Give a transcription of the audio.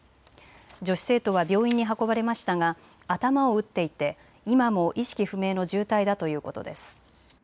女子生徒は病院に運ばれましたが頭を打っていて今も意識不明の重体だということです。